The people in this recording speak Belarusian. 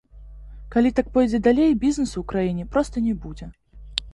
Калі так пойдзе далей, бізнесу ў краіне проста не будзе.